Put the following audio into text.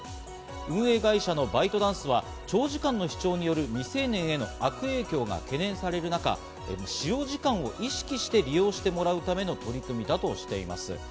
運営会社のバイトダンスは長時間の視聴による未成年への悪影響が懸念される中、使用時間を意識して利用してもらうための取り組みだとしています。